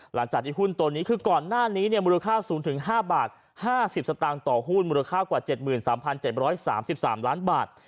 หลังจากที่หุ้นตัวนี้คือก่อนหน้านี้มูลค่าสูงถึง๕บาท๕๐สตางค์ต่อหุ้นมูลค่ากว่า๗๓๗๓๓ล้านบาท